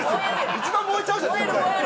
一番燃えちゃうじゃないですか！